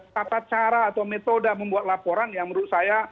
tata cara atau metode membuat laporan yang menurut saya